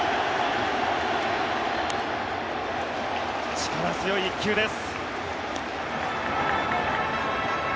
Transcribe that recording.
力強い１球です。